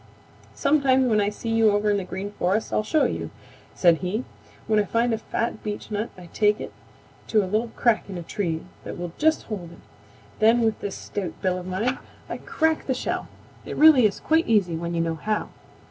"Sometime when I see you over in the Green Forest I'll show you," said he. "When I find a fat beechnut I take it to a little crack in a tree that will just hold it; then with this stout bill of mine I crack the shell. It really is quite easy when you know how.